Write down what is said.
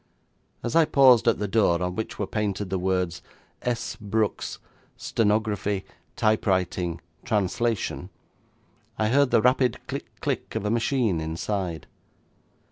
As I paused at the door on which were painted the words, 'S. Brooks, Stenography, Typewriting, Translation', I heard the rapid click click of a machine inside.